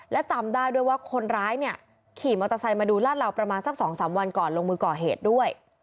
และจำได้ด้วยว่าคนร้ายเนี่ยขี่มอเตอร์ไซค์มาดูลาดเหลาประมาณสัก๒๓วันก่อนลงมือก่อเหตุด้วย